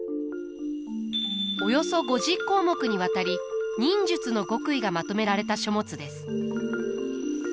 およそ５０項目にわたり忍術の極意がまとめられた書物です。